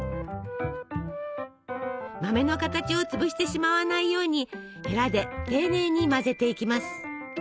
豆の形を潰してしまわないようにヘラで丁寧に混ぜていきます。